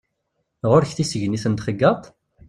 Ɣur-k tissegnit n txeyyaṭ?